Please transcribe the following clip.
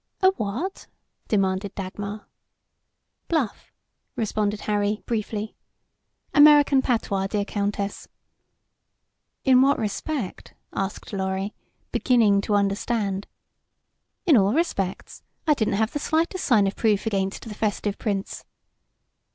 "A what!" demanded Dagmar. "Bluff," responded Harry, briefly; "American patois, dear Countess." "In what respect," asked Lorry, beginning to understand. "In all respects. I didn't have the slightest sign of proof against the festive Prince."